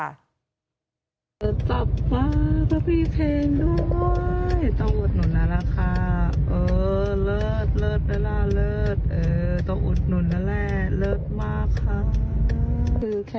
มากค่ะคุณพี่แบบเดินถ่ายสับเลยนะคะ